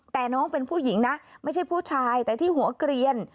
แต่น้องเป็นผู้หญิงนะไม่ใช่ผู้ชายแต่ที่หัวเกลียน